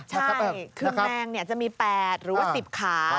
ใช่คือแมงจะมี๘หรือว่า๑๐ขา